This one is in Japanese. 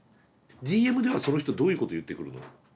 ＤＭではその人どういうこと言ってくるの？